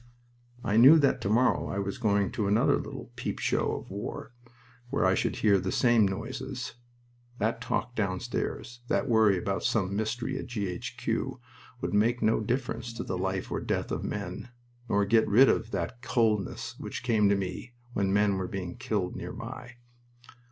I knew that tomorrow I was going to another little peep show of war, where I should hear the same noises. That talk downstairs, that worry about some mystery at G. H. Q. would make no difference to the life or death of men, nor get rid of that coldness which came to me when men were being killed nearby.